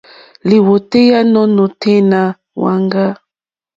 Lìwòtéyá nù nôténá wàŋgá.